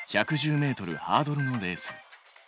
１１０ｍハードルのレース。